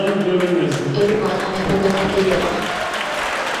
এ রুমাল আমি আপনাদের কাউকেই দেব না।